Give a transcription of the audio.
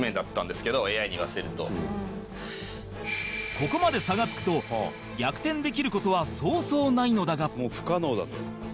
ここまで差がつくと逆転できる事はそうそうないのだが伊達：もう不可能だと。